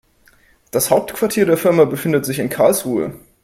Das Hauptquartier der Firma befindet sich in Karlsruhe